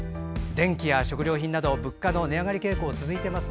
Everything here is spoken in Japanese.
電気や食料品など物価の値上がり傾向が続いてます。